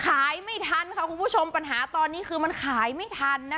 ขายไม่ทันค่ะคุณผู้ชมปัญหาตอนนี้คือมันขายไม่ทันนะคะ